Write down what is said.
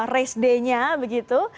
race day nya begitu